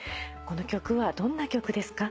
この曲はどんな曲ですか？